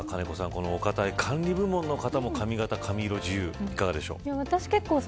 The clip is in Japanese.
このお堅い管理部門の方も髪形、髪色自由いかがでしょう。